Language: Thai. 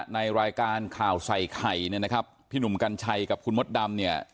ในรายการข่าวใส่ไข่เนี่ยนะครับพี่หนุ่มกัญชัยกับคุณมดดำเนี่ย